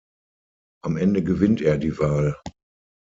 Am Ende gewinnt er die Wahl.